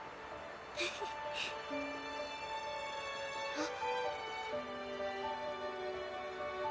あっ。